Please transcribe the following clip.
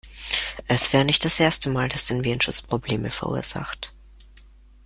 Es wäre nicht das erste Mal, dass dein Virenschutz Probleme verursacht.